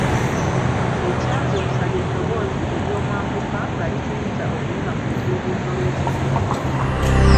Ekyanzuukusa lye ddoboozi ery'omwanguka nga lituyita okuyima ku lubuubuuto lw'ekibira.